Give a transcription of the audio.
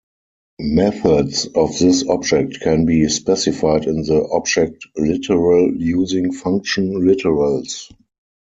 Methods of this object can be specified in the object literal using function literals.